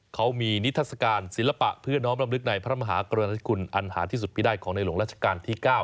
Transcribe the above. เขามีนิทัศกาลศิลปะเพื่อน้อมรำลึกในพระมหากรณิกุลอันหาที่สุดพิได้ของในหลวงราชการที่๙